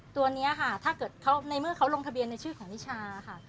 ตัวนี้ค่ะถ้าเกิดเขาในเมื่อเขาลงทะเบียนในชื่อของนิชาค่ะ